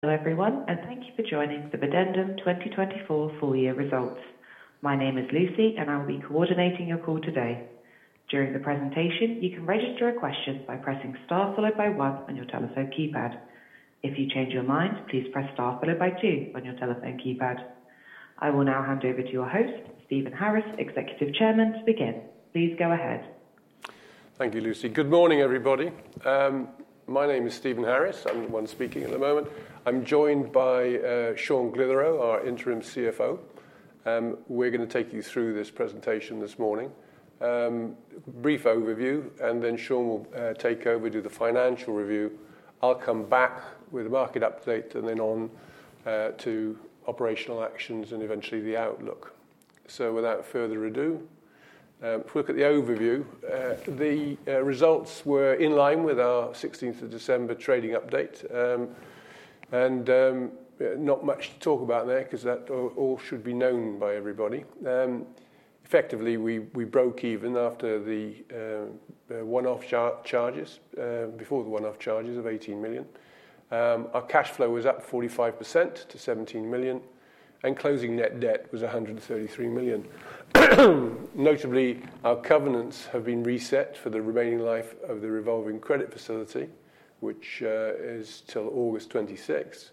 Hello, everyone, and thank you for joining the Videndum 2024 full year results. My name is Lucy, and I will be coordinating your call today. During the presentation, you can register a question by pressing star followed by one on your telephone keypad. If you change your mind, please press star followed by two on your telephone keypad. I will now hand over to your host, Stephen Harris, Executive Chairman, to begin. Please go ahead. Thank you, Lucy. Good morning, everybody. My name is Stephen Harris. I'm the one speaking at the moment. I'm joined by Sean Glithero, our Interim CFO. We're going to take you through this presentation this morning. Brief overview, and then Sean will take over, do the financial review. I'll come back with a market update and then on to operational actions and eventually the outlook. Without further ado, if we look at the overview, the results were in line with our 16 December trading update. Not much to talk about there because that all should be known by everybody. Effectively, we broke even after the one-off charges, before the one-off charges of 18 million. Our cash flow was up 45% to 17 million, and closing net debt was 133 million. Notably, our covenants have been reset for the remaining life of the revolving credit facility, which is till August 2026.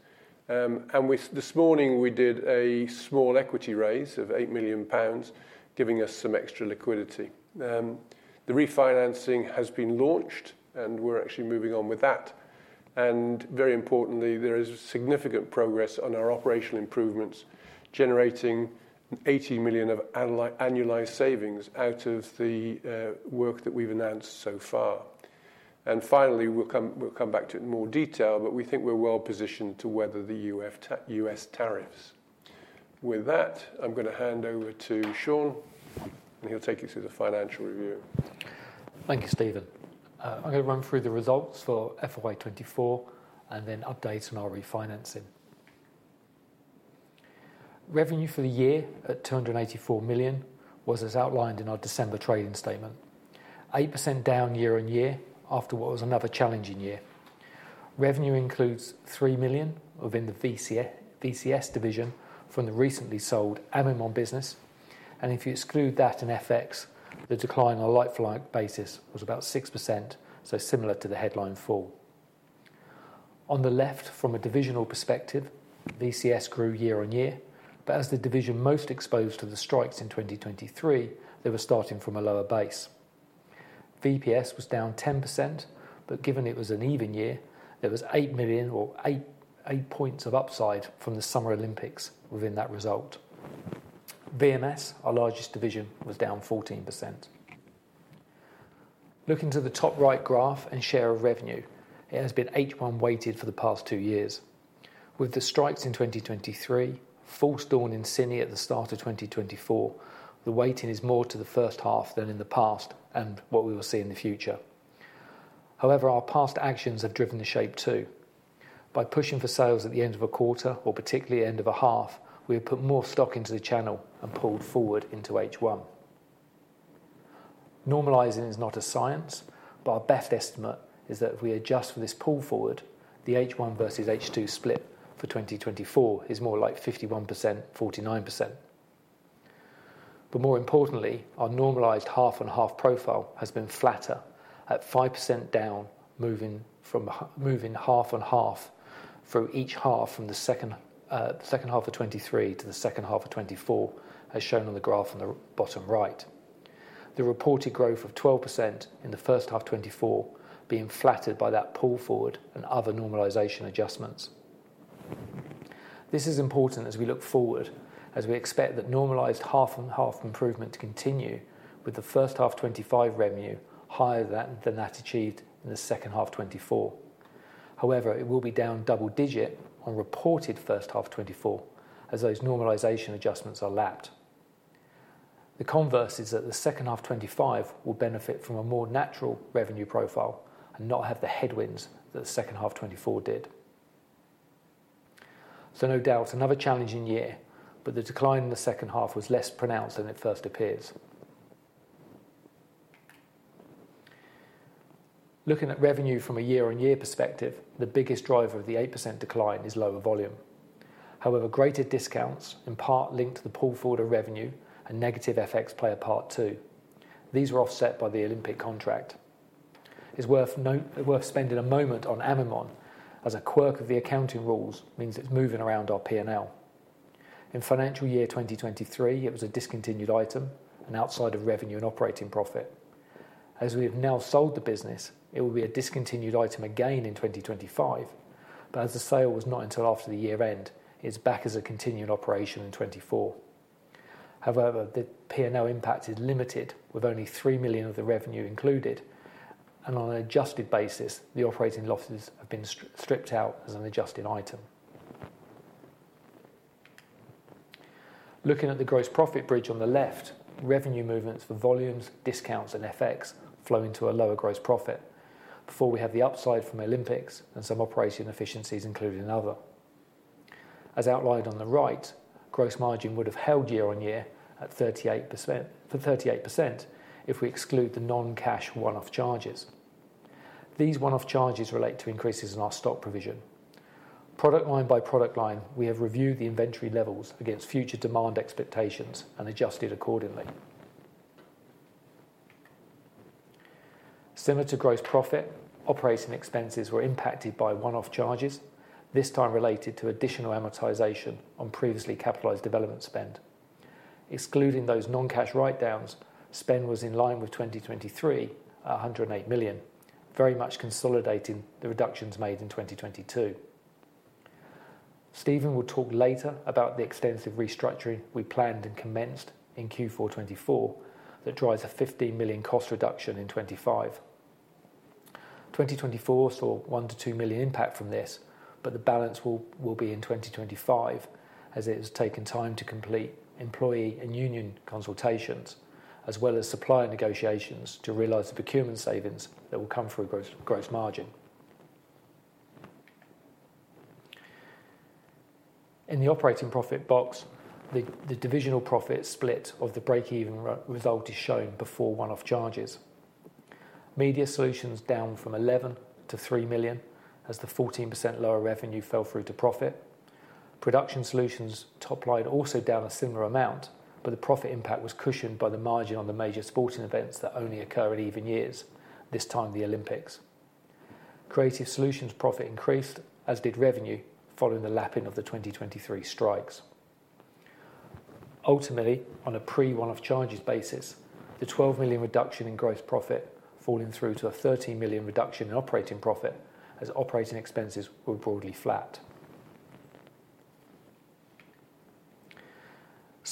This morning, we did a small equity raise of 8 million pounds giving us some extra liquidity. The refinancing has been launched, and we're actually moving on with that. Very importantly, there is significant progress on our operational improvements, generating 80 million of annualized savings out of the work that we've announced so far. Finally, we'll come back to it in more detail, but we think we're well positioned to weather the US tariffs. With that, I'm going to hand over to Sean, and he'll take you through the financial review. Thank you, Stephen. I'm going to run through the results for FY 2024 and then update on our refinancing. Revenue for the year at 284 million was as outlined in our December trading statement, 8% down year-on-year after what was another challenging year. Revenue includes 3 million within the VCS division from the recently sold Amimon business. If you exclude that and FX, the decline on a like-for-like basis was about 6%, so similar to the headline fall. On the left, from a divisional perspective, VCS grew year-on-year, but as the division most exposed to the strikes in 2023, they were starting from a lower base. VPS was down 10%, but given it was an even year, there was 8 million or eight percentage points of upside from the Summer Olympics within that result. VMS, our largest division, was down 14%. Looking to the top right graph and share of revenue, it has been H1 weighted for the past two years. With the strikes in 2023, full storm in Cine at the start of 2024, the weighting is more to the first half than in the past and what we will see in the future. However, our past actions have driven the shape too. By pushing for sales at the end of a quarter or particularly at the end of a half, we have put more stock into the channel and pulled forward into H1. Normalizing is not a science, but our best estimate is that if we adjust for this pull forward, the H1/H2 split for 2024 is more like 51%, 49%. More importantly, our normalized half-on-half profile has been flatter at 5% down, moving half-on-half for each half from the second half of 2023 to the second half of 2024, as shown on the graph on the bottom right. The reported growth of 12% in the first half of 2024 is flattered by that pull forward and other normalization adjustments. This is important as we look forward, as we expect that normalized half-on-half improvement to continue with the first half of 2025 revenue higher than that achieved in the second half of 2024. However, it will be down double-digit on reported first half of 2024 as those normalization adjustments are lapped. The converse is that the second half of 2025 will benefit from a more natural revenue profile and not have the headwinds that the second half of 2024 did. No doubt, another challenging year, but the decline in the second half was less pronounced than it first appears. Looking at revenue from a year-on-year perspective, the biggest driver of the 8% decline is lower volume. However, greater discounts, in part linked to the pull forward of revenue, and negative FX play a part too. These were offset by the Olympic contract. It's worth spending a moment on Amimon as a quirk of the accounting rules means it's moving around our P&L. In financial year 2023, it was a discontinued item and outside of revenue and operating profit. As we have now sold the business, it will be a discontinued item again in 2025, but as the sale was not until after the year end, it's back as a continued operation in 2024. However, the P&L impact is limited with only 3 million of the revenue included, and on an adjusted basis, the operating losses have been stripped out as an adjusted item. Looking at the gross profit bridge on the left, revenue movements for volumes, discounts, and FX flow into a lower gross profit before we have the upside from Olympics and some operation efficiencies including other. As outlined on the right, gross margin would have held year-on-year at 38% if we exclude the non-cash one-off charges. These one-off charges relate to increases in our stock provision. Product line by product line, we have reviewed the inventory levels against future demand expectations and adjusted accordingly. Similar to gross profit, operating expenses were impacted by one-off charges, this time related to additional amortization on previously capitalized development spend. Excluding those non-cash write-downs, spend was in line with 2023 at 108 million, very much consolidating the reductions made in 2022. Stephen will talk later about the extensive restructuring we planned and commenced in Q4 2024 that drives a 15 million cost reduction in 2025. 2024 saw 1-2 million impact from this, but the balance will be in 2025 as it has taken time to complete employee and union consultations as well as supplier negotiations to realize the procurement savings that will come through gross margin. In the operating profit box, the divisional profit split of the break-even result is shown before one-off charges. Media Solutions down from 11 million to 3 million as the 14% lower revenue fell through to profit. Production solutions top line also down a similar amount, but the profit impact was cushioned by the margin on the major sporting events that only occur in even years, this time the Olympics. Creative solutions profit increased as did revenue following the lapping of the 2023 strikes. Ultimately, on a pre-one-off charges basis, the 12 million reduction in gross profit falling through to a 13 million reduction in operating profit as operating expenses were broadly flat.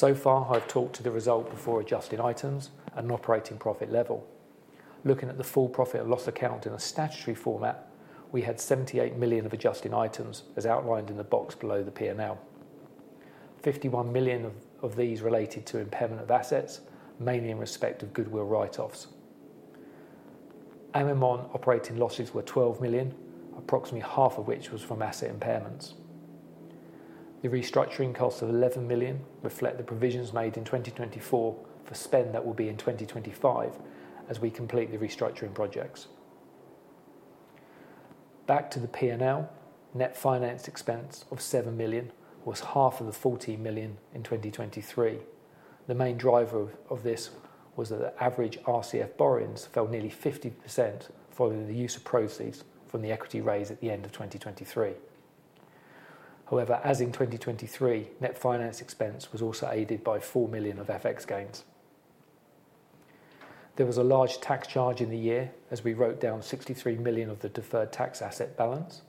So far, I've talked to the result before adjusting items and operating profit level. Looking at the full profit and loss account in a statutory format, we had 78 million of adjusting items as outlined in the box below the P&L. 51 million of these related to impairment of assets, mainly in respect of goodwill write-offs. Amimon operating losses were 12 million, approximately half of which was from asset impairments. The restructuring costs of 11 million reflect the provisions made in 2024 for spend that will be in 2025 as we complete the restructuring projects. Back to the P&L, net finance expense of 7 million was half of the 14 million in 2023. The main driver of this was that the average RCF borrowings fell nearly 50% following the use of proceeds from the equity raise at the end of 2023. However, as in 2023, net finance expense was also aided by 4 million of FX gains. There was a large tax charge in the year as we wrote down 63 million of the deferred tax asset balance,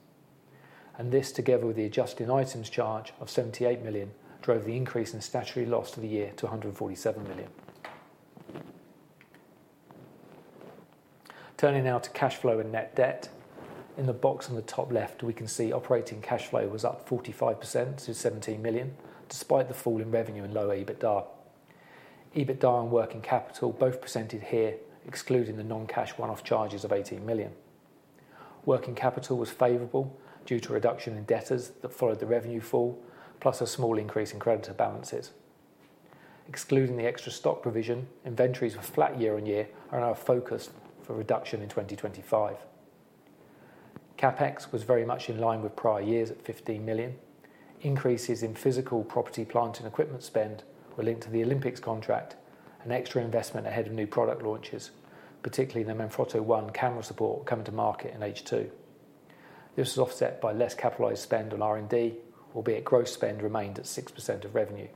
and this together with the adjusting items charge of 78 million drove the increase in statutory loss of the year to 147 million. Turning now to cash flow and net debt. In the box on the top left, we can see operating cash flow was up 45% to 17 million despite the fall in revenue and lower EBITDA. EBITDA and working capital both presented here, excluding the non-cash one-off charges of 18 million. Working capital was favorable due to reduction in debtors that followed the revenue fall, plus a small increase in creditor balances. Excluding the extra stock provision, inventories were flat year on year and are focused for reduction in 2025. CapEx was very much in line with prior years at 15 million. Increases in physical property plant and equipment spend were linked to the Olympics contract and extra investment ahead of new product launches, particularly the Manfrotto One camera support coming to market in H2. This was offset by less capitalized spend on R&D, albeit gross spend remained at 6% of revenue.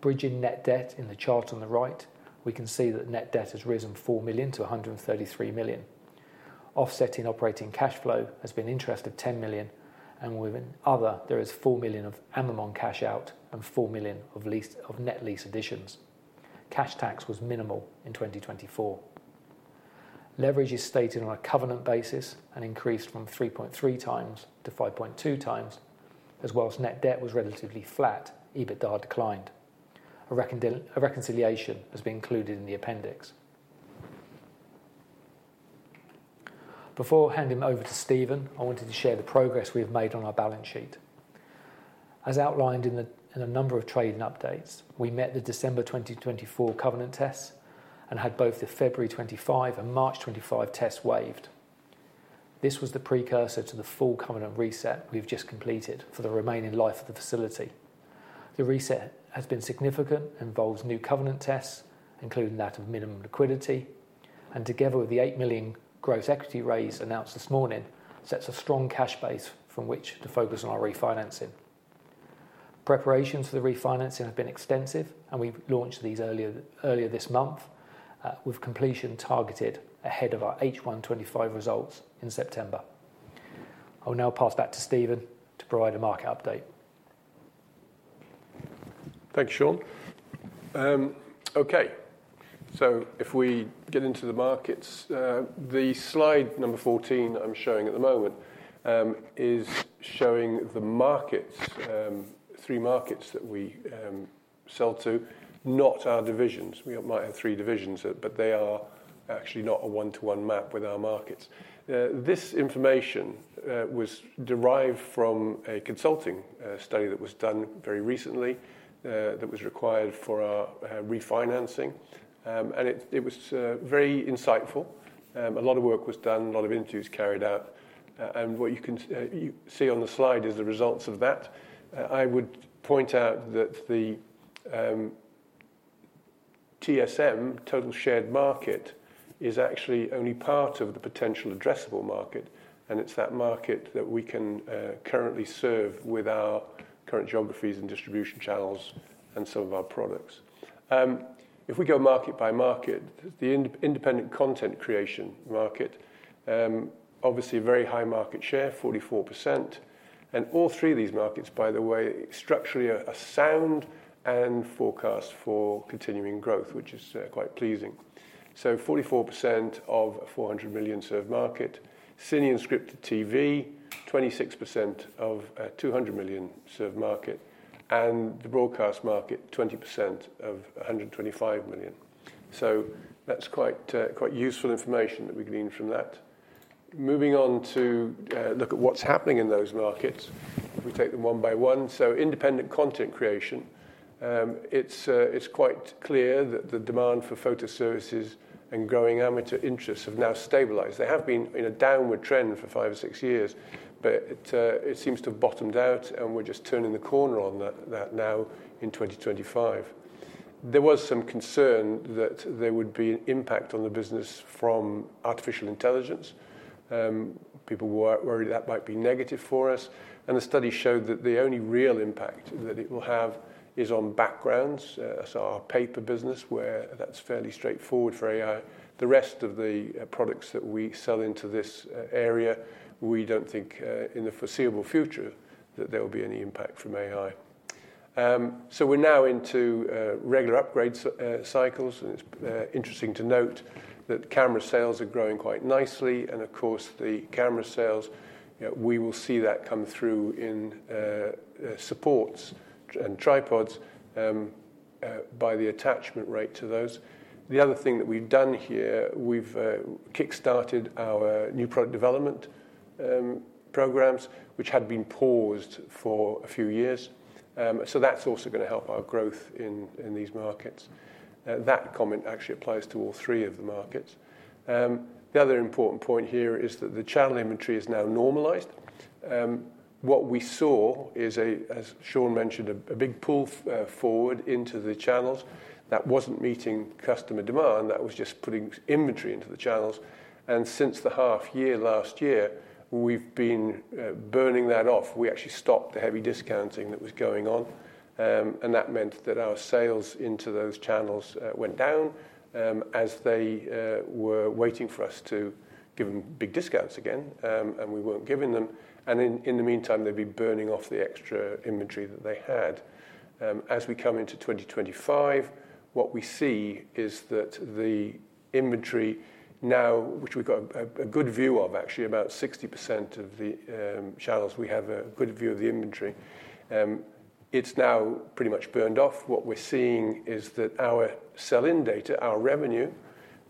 Bridging net debt in the chart on the right, we can see that net debt has risen 4 million to 133 million. Offsetting operating cash flow has been interest of 10 million, and within other, there is 4 million of Amimon cash out and 4 million of net lease additions. Cash tax was minimal in 2024. Leverage is stated on a covenant basis and increased from 3.3 times to 5.2 times, as well as net debt was relatively flat, EBITDA declined. A reconciliation has been included in the appendix. Before handing over to Stephen, I wanted to share the progress we have made on our balance sheet. As outlined in a number of trading updates, we met the December 2024 covenant tests and had both the February 2025 and March 2025 tests waived. This was the precursor to the full covenant reset we have just completed for the remaining life of the facility. The reset has been significant and involves new covenant tests, including that of minimum liquidity, and together with the 8 million gross equity raise announced this morning, sets a strong cash base from which to focus on our refinancing. Preparations for the refinancing have been extensive, and we launched these earlier this month with completion targeted ahead of our H1 2025 results in September. I'll now pass back to Stephen to provide a market update. Thanks, Sean. Okay, if we get into the markets, the slide number 14 I'm showing at the moment is showing the markets, three markets that we sell to, not our divisions. We might have three divisions, but they are actually not a one-to-one map with our markets. This information was derived from a consulting study that was done very recently that was required for our refinancing, and it was very insightful. A lot of work was done, a lot of interviews carried out, and what you can see on the slide is the results of that. I would point out that the TSM Total Shared Market is actually only part of the potential addressable market, and it's that market that we can currently serve with our current geographies and distribution channels and some of our products. If we go market by market, the independent content creation market, obviously very high market share, 44%, and all three of these markets, by the way, structurally are sound and forecast for continuing growth, which is quite pleasing. 44% of 400 million serve market, Cine and scripted TV, 26% of 200 million serve market, and the broadcast market, 20% of 125 million. That is quite useful information that we've gleaned from that. Moving on to look at what's happening in those markets, if we take them one by one. Independent content creation, it's quite clear that the demand for photo services and growing amateur interests have now stabilized. They have been in a downward trend for five or six years, but it seems to have bottomed out, and we're just turning the corner on that now in 2025. There was some concern that there would be an impact on the business from artificial intelligence. People were worried that might be negative for us, and the study showed that the only real impact that it will have is on backgrounds, so our paper business, where that's fairly straightforward for AI. The rest of the products that we sell into this area, we don't think in the foreseeable future that there will be any impact from AI. We are now into regular upgrade cycles, and it's interesting to note that camera sales are growing quite nicely, and of course, the camera sales, we will see that come through in supports and tripods by the attachment rate to those. The other thing that we've done here, we've kickstarted our new product development programs, which had been paused for a few years, so that's also going to help our growth in these markets. That comment actually applies to all three of the markets. The other important point here is that the channel inventory is now normalized. What we saw is, as Sean mentioned, a big pull forward into the channels that wasn't meeting customer demand, that was just putting inventory into the channels, and since the half year last year, we've been burning that off. We actually stopped the heavy discounting that was going on, and that meant that our sales into those channels went down as they were waiting for us to give them big discounts again, and we weren't giving them, and in the meantime, they'd be burning off the extra inventory that they had. As we come into 2025, what we see is that the inventory now, which we've got a good view of, actually about 60% of the channels, we have a good view of the inventory. It's now pretty much burned off. What we're seeing is that our sell-in data, our revenue,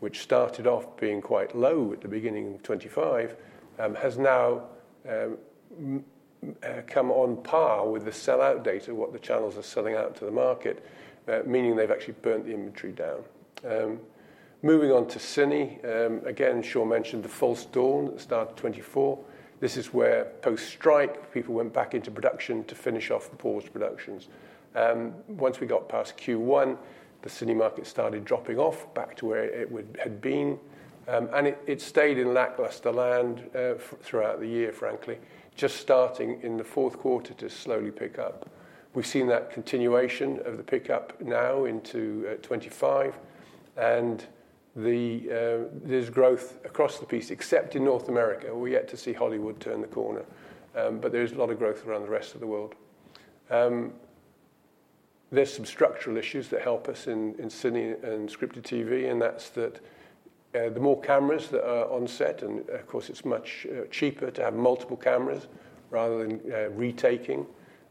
which started off being quite low at the beginning of 2025, has now come on par with the sell-out data, what the channels are selling out to the market, meaning they've actually burnt the inventory down. Moving on to Cine, again, Sean mentioned the false dawn that started 2024. This is where post-strike, people went back into production to finish off the paused productions. Once we got past Q1, the Cine market started dropping off back to where it had been, and it stayed in lackluster land throughout the year, frankly, just starting in the fourth quarter to slowly pick up. We have seen that continuation of the pickup now into 2025, and there is growth across the piece, except in North America. We are yet to see Hollywood turn the corner, but there is a lot of growth around the rest of the world. There are some structural issues that help us in Cine and scripted TV, and that is that the more cameras that are on set, and of course, it is much cheaper to have multiple cameras rather than retaking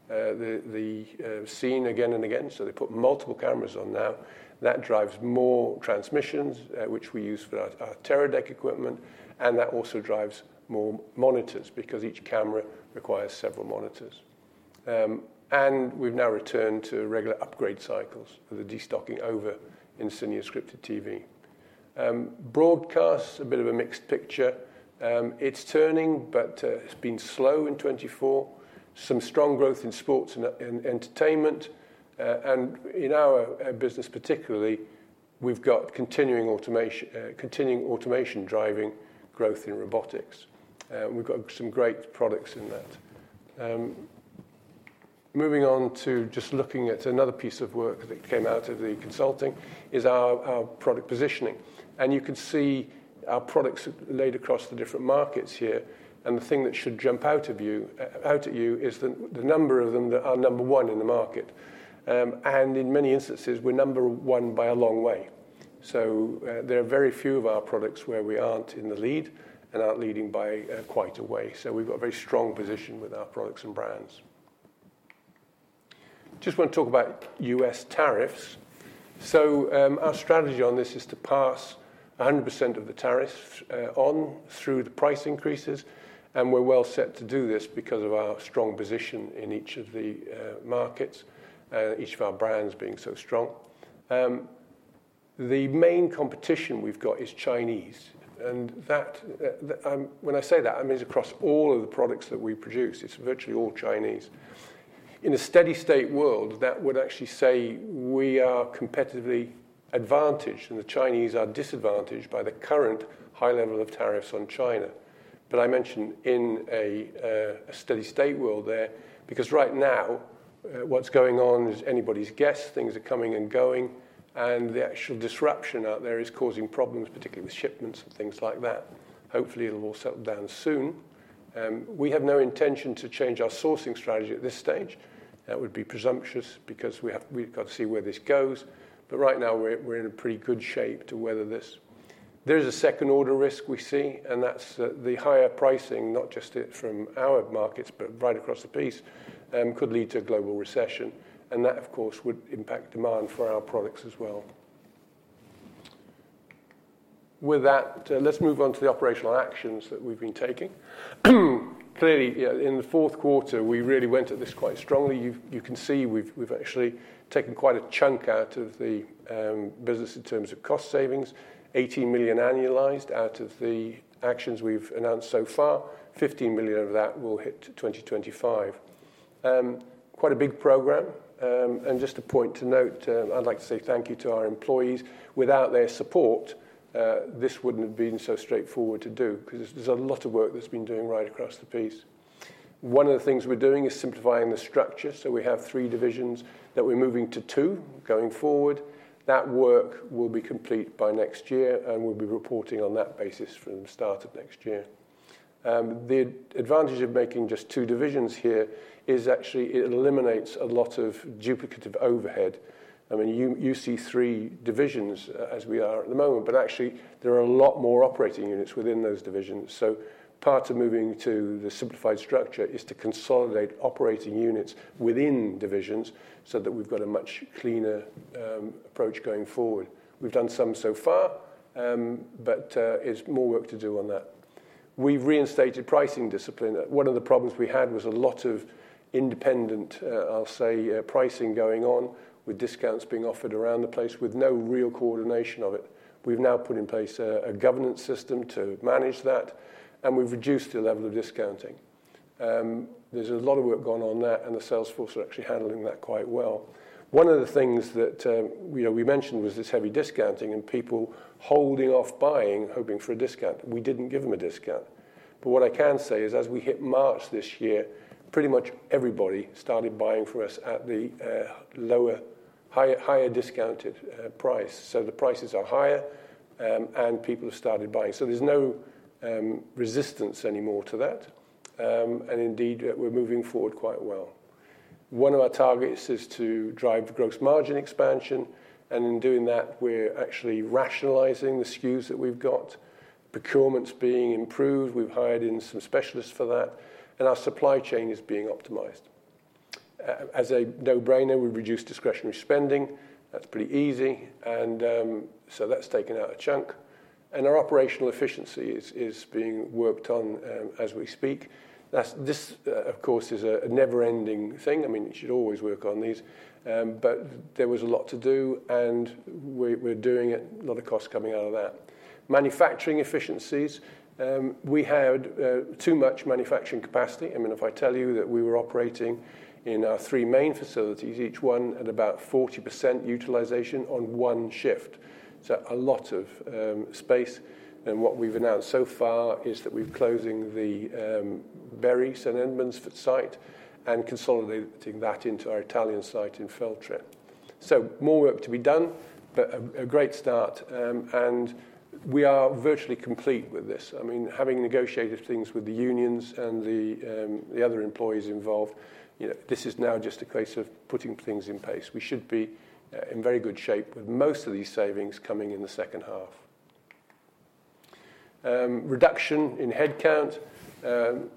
the scene again and again, so they put multiple cameras on now. That drives more transmissions, which we use for our Teradek equipment, and that also drives more monitors because each camera requires several monitors. We have now returned to regular upgrade cycles for the destocking over in Cine and scripted TV. Broadcasts, a bit of a mixed picture. It is turning, but it has been slow in 2024. There has been strong growth in sports and entertainment, and in our business particularly, we have continuing automation driving growth in robotics. We have some great products in that. Moving on to just looking at another piece of work that came out of the consulting is our product positioning, and you can see our products laid across the different markets here, and the thing that should jump out at you is the number of them that are number one in the market, and in many instances, we are number one by a long way. There are very few of our products where we are not in the lead and are not leading by quite a way, so we have a very strong position with our products and brands. I just want to talk about US tariffs. Our strategy on this is to pass 100% of the tariffs on through the price increases, and we are well set to do this because of our strong position in each of the markets, each of our brands being so strong. The main competition we have is Chinese, and when I say that, I mean it is across all of the products that we produce. It is virtually all Chinese. In a steady-state world, that would actually say we are competitively advantaged and the Chinese are disadvantaged by the current high level of tariffs on China. I mentioned in a steady-state world there because right now what's going on is anybody's guess, things are coming and going, and the actual disruption out there is causing problems, particularly with shipments and things like that. Hopefully, it'll all settle down soon. We have no intention to change our sourcing strategy at this stage. That would be presumptuous because we've got to see where this goes, but right now we're in a pretty good shape to weather this. There is a second-order risk we see, and that's that the higher pricing, not just from our markets, but right across the piece, could lead to a global recession, and that, of course, would impact demand for our products as well. With that, let's move on to the operational actions that we've been taking. Clearly, in the fourth quarter, we really went at this quite strongly. You can see we've actually taken quite a chunk out of the business in terms of cost savings, 18 million annualized out of the actions we've announced so far, 15 million of that will hit 2025. Quite a big program, and just a point to note, I'd like to say thank you to our employees. Without their support, this wouldn't have been so straightforward to do because there's a lot of work that's been doing right across the piece. One of the things we're doing is simplifying the structure, so we have three divisions that we're moving to two going forward. That work will be complete by next year, and we'll be reporting on that basis from the start of next year. The advantage of making just two divisions here is actually it eliminates a lot of duplicative overhead. I mean, you see three divisions as we are at the moment, but actually there are a lot more operating units within those divisions, so part of moving to the simplified structure is to consolidate operating units within divisions so that we've got a much cleaner approach going forward. We've done some so far, but there's more work to do on that. We've reinstated pricing discipline. One of the problems we had was a lot of independent, I'll say, pricing going on with discounts being offered around the place with no real coordination of it. We've now put in place a governance system to manage that, and we've reduced the level of discounting. There's a lot of work gone on that, and the sales force are actually handling that quite well. One of the things that we mentioned was this heavy discounting and people holding off buying, hoping for a discount. We did not give them a discount, but what I can say is as we hit March this year, pretty much everybody started buying from us at the lower, higher discounted price, so the prices are higher and people have started buying, so there is no resistance anymore to that, and indeed we are moving forward quite well. One of our targets is to drive gross margin expansion, and in doing that, we are actually rationalizing the SKUs that we have got, procurement is being improved. We have hired in some specialists for that, and our supply chain is being optimized. As a no-brainer, we have reduced discretionary spending. That is pretty easy, and that has taken out a chunk, and our operational efficiency is being worked on as we speak. This, of course, is a never-ending thing. I mean, you should always work on these, but there was a lot to do, and we're doing it. A lot of costs coming out of that. Manufacturing efficiencies. We had too much manufacturing capacity. I mean, if I tell you that we were operating in our three main facilities, each one at about 40% utilization on one shift, a lot of space, and what we've announced so far is that we're closing the Bury St Edmunds site and consolidating that into our Italian site in Feltre. More work to be done, but a great start, and we are virtually complete with this. I mean, having negotiated things with the unions and the other employees involved, this is now just a case of putting things in place. We should be in very good shape with most of these savings coming in the second half. Reduction in headcount.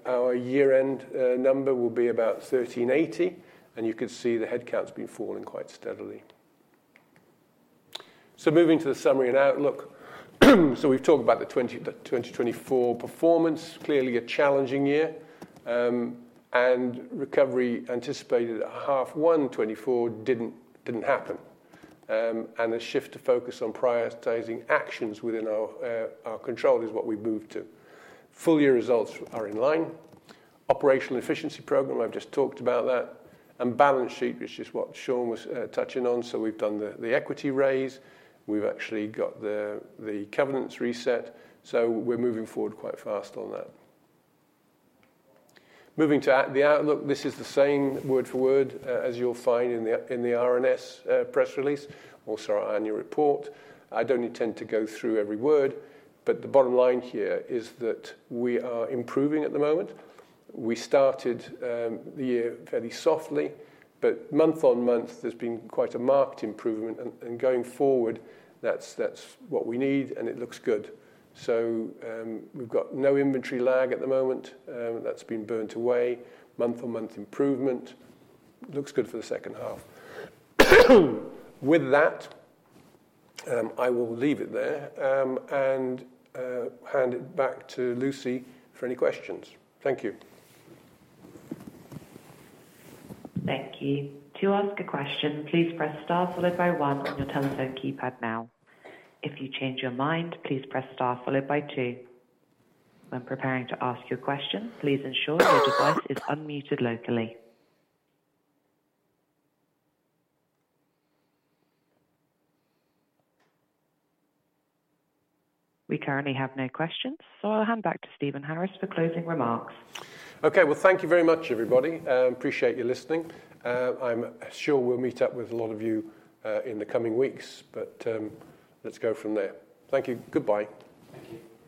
Our year-end number will be about 1,380, and you could see the headcount's been falling quite steadily. Moving to the summary and outlook. We’ve talked about the 2024 performance. Clearly a challenging year, and recovery anticipated at half one 2024 did not happen, and a shift to focus on prioritizing actions within our control is what we’ve moved to. Full year results are in line. Operational efficiency program, I’ve just talked about that, and balance sheet, which is what Sean was touching on, so we’ve done the equity raise. We’ve actually got the covenants reset, so we’re moving forward quite fast on that. Moving to the outlook, this is the same word for word as you’ll find in the R&S press release, also our annual report. I don’t intend to go through every word, but the bottom line here is that we are improving at the moment. We started the year fairly softly, but month on month, there's been quite a marked improvement, and going forward, that's what we need, and it looks good. We have no inventory lag at the moment. That's been burnt away. Month on month improvement looks good for the second half. With that, I will leave it there and hand it back to Lucy for any questions. Thank you. Thank you. To ask a question, please press star followed by one on your telephone keypad now. If you change your mind, please press star followed by two. When preparing to ask your question, please ensure your device is unmuted locally. We currently have no questions, so I'll hand back to Stephen Harris for closing remarks. Okay, well, thank you very much, everybody. Appreciate your listening. I'm sure we'll meet up with a lot of you in the coming weeks, but let's go from there. Thank you. Goodbye. Thank you.